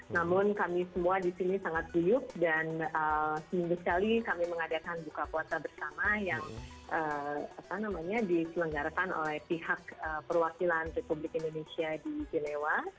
namun kami semua di sini sangat guyup dan seminggu sekali kami mengadakan buka puasa bersama yang diselenggarakan oleh pihak perwakilan republik indonesia di genewa